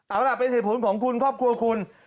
เอาล่ะเป็นเหตุผลของคุณครอบครัวคุณ